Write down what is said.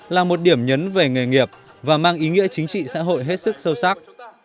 là một điểm nhấn về nghề nghiệp và mang ý nghĩa chính trị xã hội hết sức sâu sắc